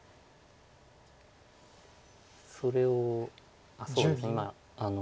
それをあっそうですね。